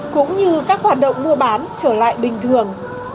cũng như các hoạt động mua bán trở lại bình thường